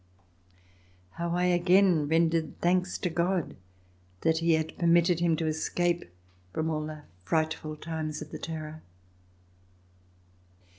How I again rendered thanks to God that He had permitted him to escape from all the frightful times of the Terror